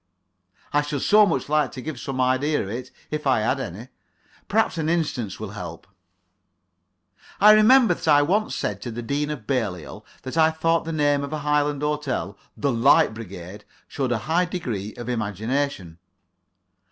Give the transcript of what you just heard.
I should so much like to give some idea of it if I had any. Perhaps an instance will help. I remember that I once said to the Dean of Belial that I thought the naming of a Highland hotel "The Light Brigade" showed a high degree of imagination.